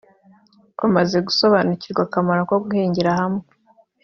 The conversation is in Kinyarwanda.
bamaze gusobanukirwa akamaro ko guhingira hamwe